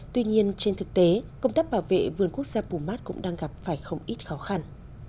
tuy nhiên trên thực tế công tác bảo vệ vườn quốc gia pumat cũng đang gặp phải không ít khó khăn